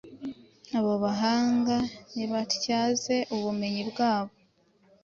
Abo bahanga nibatyaze ubumenyi bwabo